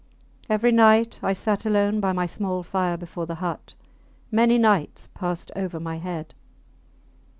Every night I sat alone by my small fire before the hut. Many nights passed over my head.